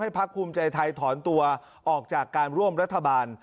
พักภูมิใจไทยถอนตัวออกจากการร่วมรัฐบาล